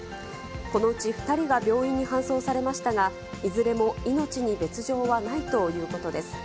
このうち２人が病院に搬送されましたが、いずれも命に別状はないということです。